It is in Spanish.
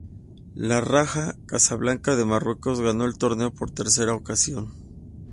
El Raja Casablanca de Marruecos ganó el torneo por tercera ocasión.